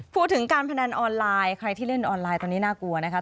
พูดถึงการพนันออนไลน์ใครที่เล่นออนไลน์ตอนนี้น่ากลัวนะคะ